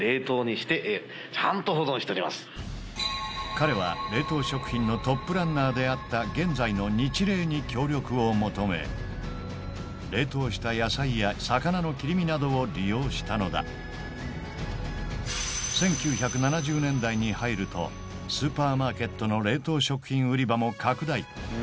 彼は冷凍食品のトップランナーであった現在のを求め冷凍した野菜や魚の切り身などを利用したのだスーパーマーケットの冷凍食品売り場も拡大